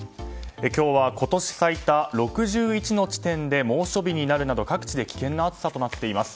今日は、今年最多６１の地点で猛暑日になるなど各地で危険な暑さとなっています。